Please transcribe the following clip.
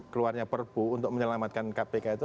keluarnya perpu untuk menyelamatkan kpk itu